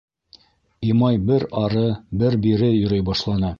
Имай бер ары, бер бире йөрөй башланы.